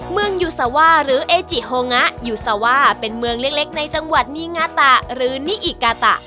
เมืองยูซาว่าหรือเอจิโฮงะยูซาว่าเป็นเมืองเล็กในจังหวัดนีงาตะหรือนิอิกาตะ